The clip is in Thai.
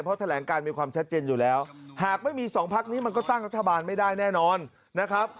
เพราะแถลงการมีความชัดเจนอยู่แล้วหากไม่มีสองพักนี้มันก็ตั้งรัฐบาลไม่ได้แน่นอนนะครับ